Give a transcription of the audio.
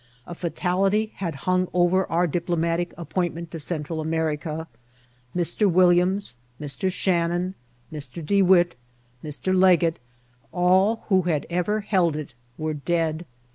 A fatality had hung over our diplomatic appointment to Central America : Mr. Williams, Mr. Shannon, Mr. Dewitt, Mr. Leggett, all who had ever held it, were ^e^d.